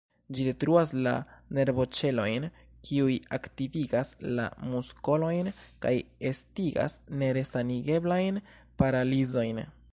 Ĝi detruas la nervoĉelojn, kiuj aktivigas la muskolojn, kaj estigas neresanigeblajn paralizojn.